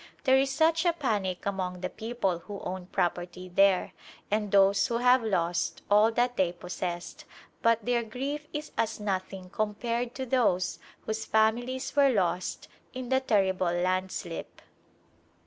There is such a panic among the people who own property there and those who have lost all that they possessed, but their grief is as noth ing compared to those whose families were lost in the terrible landslip.